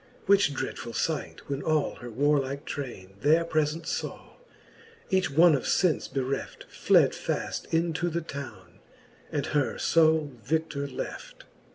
Which dreadfuU fight when all her warlike traine There prefent faw, each one of fence bereft Fled faft into the towne, and her fole vi6i:or left.